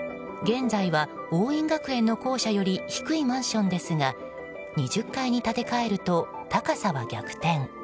現在は桜蔭学園の校舎より低いマンションですが２０階に建て替えると高さは逆転。